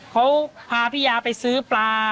เขาพาพี่ยาไปซื้อปลา